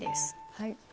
はい。